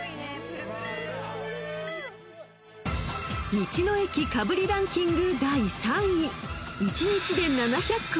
［道の駅かぶりランキング］